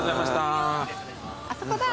あそこだ。